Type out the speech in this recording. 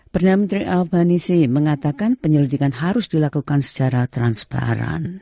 perdana menteri albanese mengatakan penyelidikan harus dilakukan secara transparan